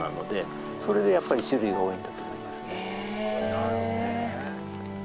なるほどね。